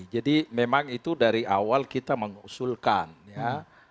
jadi memang itu dari awal kita mengusulkan ya